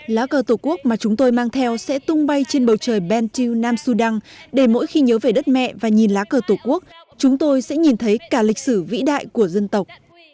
lá cờ tổ quốc mà chúng tôi mang theo sẽ tung bay trên bầu trời bentiu nam sudan để mỗi khi nhớ về đất mẹ và nhìn lá cờ tổ quốc chúng tôi sẽ nhìn thấy cả lịch sử vĩ đại của dân tộc